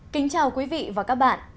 kính chào quý vị và các bạn